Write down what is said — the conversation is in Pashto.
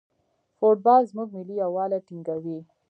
فوټبال زموږ ملي یووالی ټینګوي.